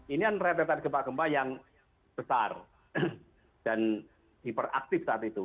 ini kan rentetan gempa gempa yang besar dan hiperaktif saat itu